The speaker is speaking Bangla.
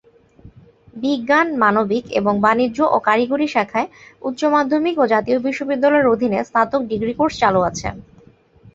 বিজ্ঞান, মানবিক এবং বাণিজ্য ও কারিগরি শাখায় উচ্চ মাধ্যমিক ও জাতীয় বিশ্ববিদ্যালয়ের অধীনে স্নাতক ডিগ্রি কোর্স চালু আছে।